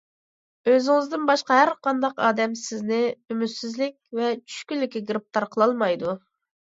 ئۆزىڭىزدىن باشقا ھەرقانداق ئادەم سىزنى ئۈمىدسىزلىك ۋە چۈشكۈنلۈككە گىرىپتار قىلالمايدۇ.